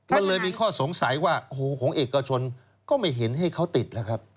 มันเลยมีข้อสงสัยว่าโหของเอกชนน่ะก็ไม่เห็นให้เค้าติดนะครับ